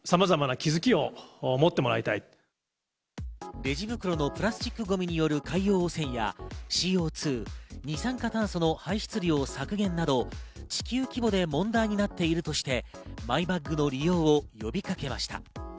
レジ袋のプラスチックごみによる海洋汚染やＣＯ２＝二酸化炭素の排出量削減など地球規模で問題になっているとして、マイバッグの利用を呼びかけました。